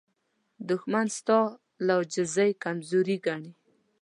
دښمن ستا له عاجزۍ کمزوري ګڼي